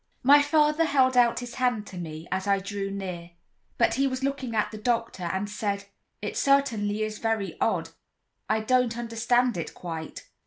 My father held out his hand to me, as I drew near, but he was looking at the doctor, and he said: "It certainly is very odd; I don't understand it quite.